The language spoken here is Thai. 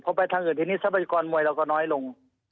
พอไปทางอื่นทีนี้ทรัพยากรมวยเราก็น้อยลง